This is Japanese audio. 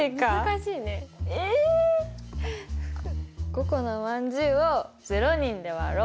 「５個のまんじゅうを０人で割ろう。